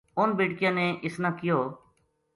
اُنھ بیٹکیاں نے اِس نا کہیو